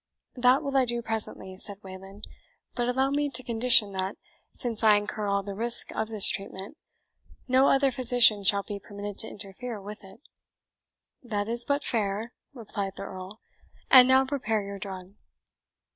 "That will I do presently," said Wayland; "but allow me to condition that, since I incur all the risk of this treatment, no other physician shall be permitted to interfere with it." "That is but fair," replied the Earl; "and now prepare your drug."